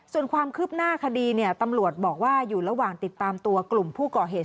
ส่วนความคืบหน้าคดีเนี่ยตำรวจบอกว่าอยู่ระหว่างติดตามตัวกลุ่มผู้ก่อเหตุ